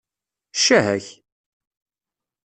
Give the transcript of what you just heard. Ccah-ak!